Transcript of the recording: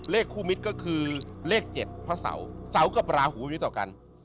คู่มิตรก็คือเลข๗พระเสาเสากับราหูมีต่อกัน